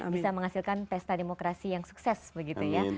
bisa menghasilkan pesta demokrasi yang sukses begitu ya